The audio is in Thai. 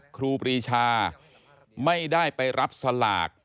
ครูปรีชาไม่ได้ไปรับสลาก